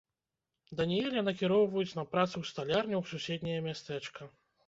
Даніэля накіроўваюць на працу ў сталярню ў суседняе мястэчка.